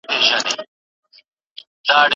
احمد شاه ابدالي څنګه د سیاسي ثبات لپاره کار کاوه؟